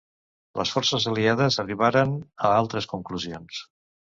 Les forces aliades arribaren a altres conclusions.